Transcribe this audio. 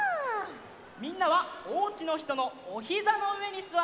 みんなはおうちのひとのおひざのうえにすわってください。